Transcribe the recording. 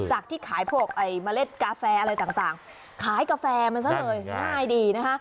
ที่ขายพวกเมล็ดกาแฟอะไรต่างขายกาแฟมันซะเลยง่ายดีนะคะ